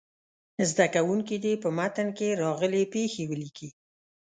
زده کوونکي دې په متن کې راغلې پيښې ولیکي.